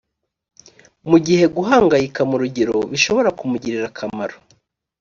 mu gihe guhangayika mu rugero bishobora kumugirira akamaro